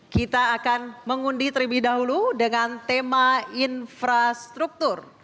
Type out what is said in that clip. kita akan mengundi terlebih dahulu dengan tema infrastruktur